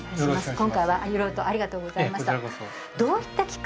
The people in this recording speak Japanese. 今回は色々とありがとうございましたええ